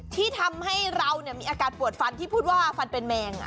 ที่ทำให้เรามีอาการปวดฟันที่พูดว่าฟันเป็นแมง